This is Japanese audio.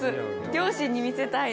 両親に見せたい。